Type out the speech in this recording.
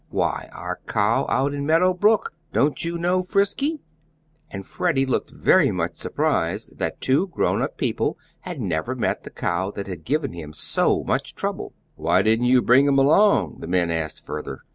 "Why, our cow out in Meadow Brook. Don't you know Frisky?" and Freddie looked very much surprised that two grown up people had never met the cow that had given him so much trouble. "Why didn't you bring him along?" the men asked further.